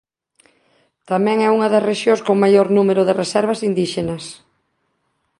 Tamén é unha das rexións con maior número de reservas indíxenas.